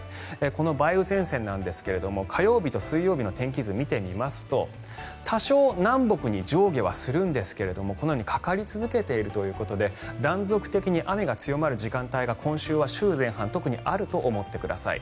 この梅雨前線なんですが火曜日と水曜日の天気図見てみますと多少、南北に上下はするんですがこのようにかかり続けているということで断続的に雨が強まる時間帯が今週は週前半特にあると思ってください。